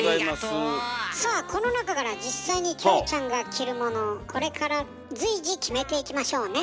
さあこの中から実際にキョエちゃんが着るものをこれから随時決めていきましょうね。